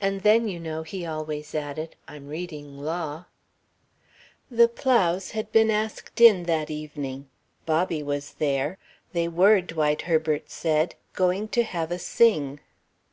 "And then, you know," he always added, "I'm reading law." The Plows had been asked in that evening. Bobby was there. They were, Dwight Herbert said, going to have a sing.